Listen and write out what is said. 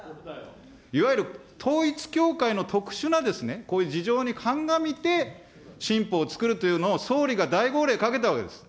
いわゆる統一教会の特殊なですね、こういう事情に鑑みて、新法をつくるというのを、総理が大号令かけたわけです。